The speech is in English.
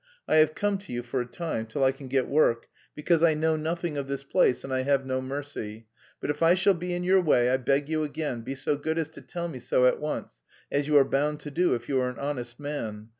I have come to you for a time, till I can get work, because I know nothing of this place and I have no money. But if I shall be in your way I beg you again, be so good as to tell me so at once, as you are bound to do if you are an honest man.